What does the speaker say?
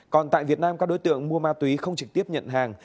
còn tại việt nam các đối tượng mua ma túy không trực tiếp nhận hàng